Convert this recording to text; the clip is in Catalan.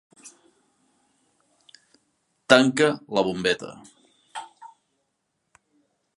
Tanca la bombeta.